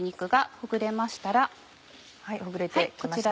ほぐれて来ましたね。